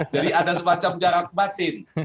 ada semacam jarak batin